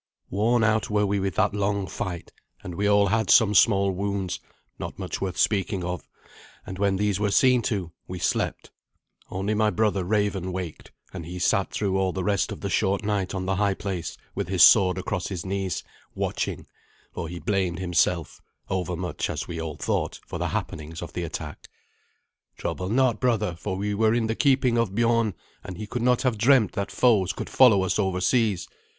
Worn out we were with that long fight, and we all had some small wounds not much worth speaking of; and when these were seen to, we slept. Only my brother Raven waked, and he sat through all the rest of the short night on the high place, with his sword across his knees, watching, for he blamed himself, overmuch as we all thought, for the happenings of the attack. "Trouble not, brother, for we were in the keeping of Biorn, and he could not have dreamt that foes could follow us over seas.